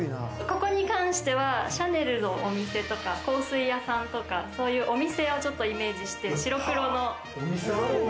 ここに関してはシャネルのお店とか香水屋さんとか、そういうお店をちょっとイメージして、白黒の。